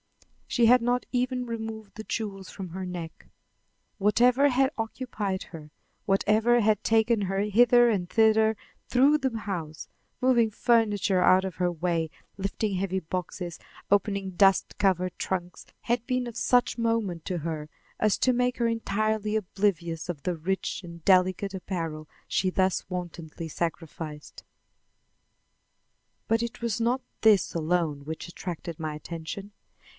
She had not even removed the jewels from her neck. Whatever had occupied her, whatever had taken her hither and thither through the house, moving furniture out of her way, lifting heavy boxes, opening dust covered trunks, had been of such moment to her as to make her entirely oblivious of the rich and delicate apparel she thus wantonly sacrificed. But it was not this alone which attracted my attention.